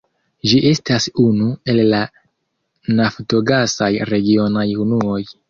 Ĝi estas unu el la naftogasaj regionaj unuoj.